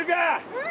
うん！